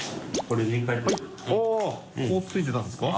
こうついてたんですか？